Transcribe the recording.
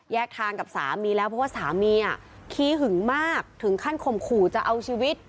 ทางกับสามีแล้วเพราะว่าสามีขี้หึงมากถึงขั้นข่มขู่จะเอาชีวิต